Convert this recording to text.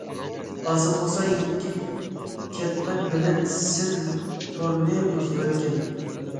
قاسىم بولسا يېنىدىكى كەتمەن بىلەن سىم تورنى بۇزۇۋەتكەن.